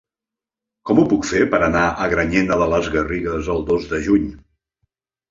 Com ho puc fer per anar a Granyena de les Garrigues el dos de juny?